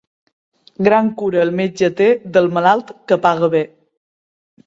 Gran cura el metge té del malalt que paga bé.